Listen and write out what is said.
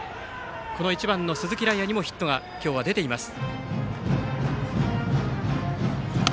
この１番、鈴木徠空にもヒットが今日は出ています。